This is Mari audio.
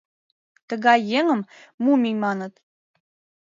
Тыгай еҥым «мумий» маныт.